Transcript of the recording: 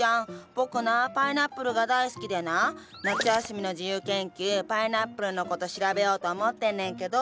僕なパイナップルが大好きでな夏休みの自由研究パイナップルの事調べようと思ってんねんけど。